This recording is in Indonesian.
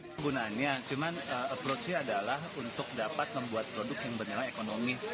penggunaannya cuman approach nya adalah untuk dapat membuat produk yang bernilai ekonomis